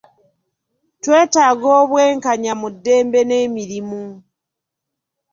Twetaaga obw'enkanya mu ddembe n'emirimu.